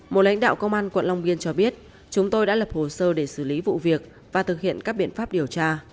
một lãnh đạo công an quận long biên cho biết chúng tôi đã lập hồ sơ để xử lý vụ việc và thực hiện các biện pháp điều tra